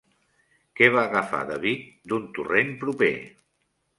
Què va agafar David d'un torrent proper?